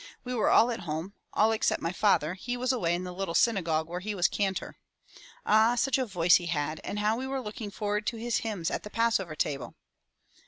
We were all at home — all except my father — he was away in the little syna gogue where he was cantor. Ah! such a voice he had, and how we were looking forward to his hymns at the Passover table.''